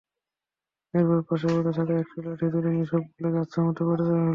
এরপর পাশে পড়ে থাকা একটি লাঠি তুলে নিয়ে সবগুলোকে আচ্ছামতো পেটাতে লাগল।